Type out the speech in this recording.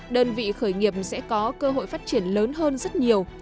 đơn vị khởi nghiệp sẽ có cơ hội phát triển lớn hơn rất nhiều